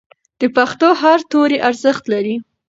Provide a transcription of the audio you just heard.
د پښتو هر توری ارزښت لري.